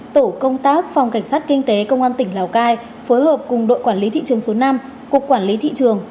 tổ công tác phòng cảnh sát kinh tế công an tỉnh lào cai phối hợp cùng đội quản lý thị trường số năm cục quản lý thị trường